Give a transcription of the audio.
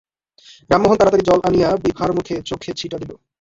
রামমোহন তাড়াতাড়ি জল আনিয়া বিভার মুখে চোখে ছিটা দিল।